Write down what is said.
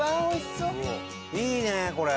いいねこれ。